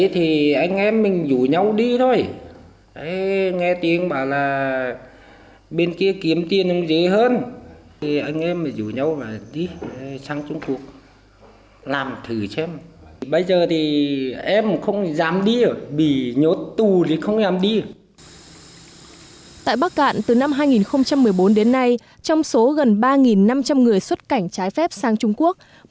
tại bắc cạn từ năm hai nghìn một mươi bốn đến nay trong số gần ba năm trăm linh người xuất cảnh trái phép sang trung quốc